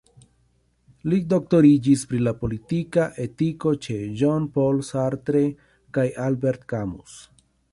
Li doktoriĝis pri la politika etiko ĉe Jean-Paul Sartre kaj Albert Camus.